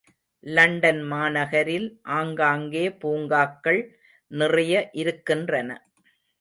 London மாநகரில் ஆங்காங்கே பூங்காக்கள் நிறைய இருக்கின்றன.